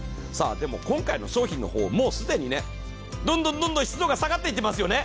でも今回の商品の方、もう既にどんどん湿度が下がっていっていますよね。